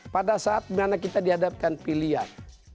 pada saat mana kita dihadapkan pilihan